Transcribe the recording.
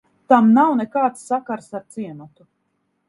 Tam nav nekāds sakars ar ciematu.